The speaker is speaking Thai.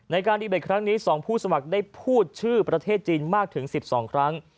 ในการดีเบตครั้งนี้๒ผู้สมัครได้พูดชื่อประเทศจีนมากถึง๑๒ครั้ง